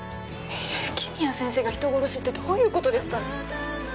雪宮先生が人殺しってどういうことですか。